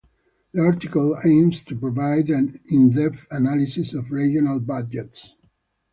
This article aims to provide an in-depth analysis of regional budgets.